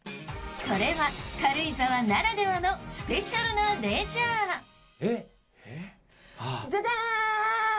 それは軽井沢ならではのスペシャルなレジャージャジャン！